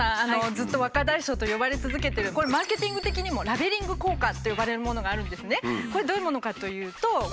ずっと「若大将」と呼ばれ続けてるこれマーケティング的にも「ラベリング効果」と呼ばれるものがあるんですね。